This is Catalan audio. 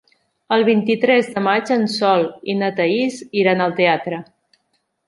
El vint-i-tres de maig en Sol i na Thaís iran al teatre.